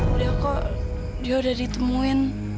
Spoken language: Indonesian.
beliau kok dia udah ditemuin